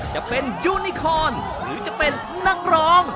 จะเป็นยูนิคอนหรือจะเป็นนักร้อง